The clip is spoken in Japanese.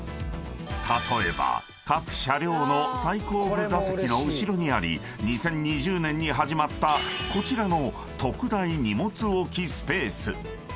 ［例えば各車両の最後部座席の後ろにあり２０２０年に始まったこちらの］